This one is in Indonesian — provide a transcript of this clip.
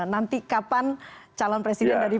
nanti kapan calon presiden dari